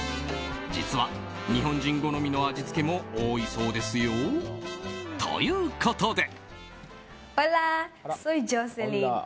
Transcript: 実は日本人好みの味付けも多いそうですよ。ということで。